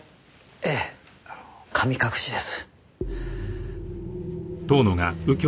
ええ神隠しです。